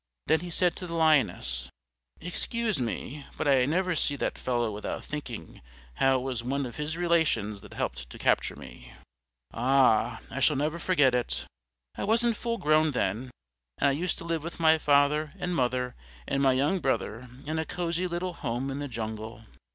Then he said to the Lioness, "Excuse me, but I never see that fellow without thinking how it was one of his relations that helped to capture me. Ah, I shall never forget it. I wasn't full grown then, and I used to live with my father and mother and my young brother in a cosy little home in the jungle.